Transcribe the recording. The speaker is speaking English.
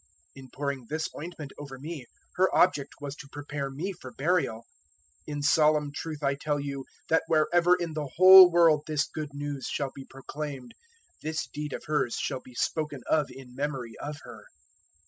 026:012 In pouring this ointment over me, her object was to prepare me for burial. 026:013 In solemn truth I tell you that wherever in the whole world this Good News shall be proclaimed, this deed of hers shall be spoken of in memory of her."